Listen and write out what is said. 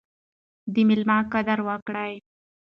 د میلمه قدر وکړئ.